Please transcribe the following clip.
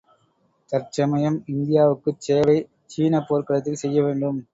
தற்சமயம் இந்தியாவுக்குச்சேவை சீனப் போர்க்களத்தில் செய்யவேண்டும்.